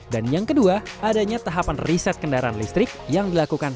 dan yang kedua adanya tahapan riset kendaraan listrik yang dilakukan